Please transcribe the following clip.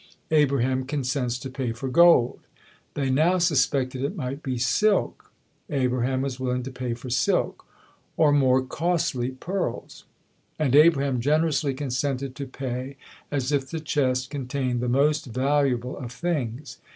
Abraham consents to pay for gold. They now suspected it might be silk. Abraham was willing to pay for silk, or more costly pearls; and Abraham generously consented to pay as if the chest contained the most valuable of things.